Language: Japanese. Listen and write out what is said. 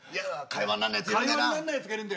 会話になんないやつがいるな。